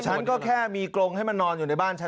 ฉันก็แค่มีกรงให้มันนอนอยู่ในบ้านฉัน